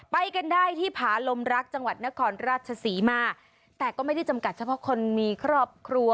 ไปกันได้ที่ผาลมรักจังหวัดนครราชศรีมาแต่ก็ไม่ได้จำกัดเฉพาะคนมีครอบครัว